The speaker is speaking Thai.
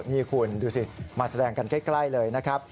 นี่คุณดูสิมาแสดงกันใกล้เลยนะครับ